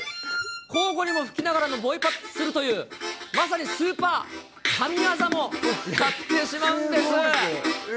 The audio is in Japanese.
交互にも吹きながらもボイパするという、まさにスーパー神業もやってしまうんです。